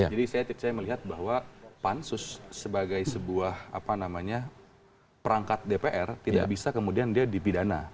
jadi saya melihat bahwa pansus sebagai sebuah perangkat dpr tidak bisa kemudian dibidana